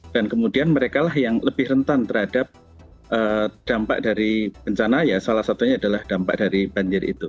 dan kemudian mereka yang lebih rentan terhadap dampak dari bencana salah satunya adalah dampak dari banjir itu